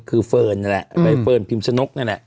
คือเฟิร์นนั่นแหละใบเฟิร์นพิมชนกนั่นแหละ